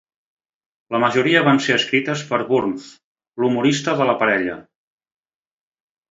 La majoria van ser escrites per Burns, l'humorista de la parella.